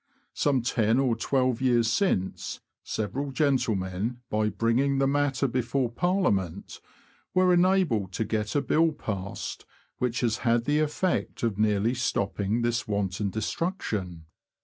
Some ten or twelve years since, several gentlemen, by bringing the matter before Parliament, were enabled to get a Bill passed which has had the effect of nearly stopping this wanton destruction.